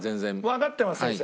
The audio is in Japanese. わかってます先生。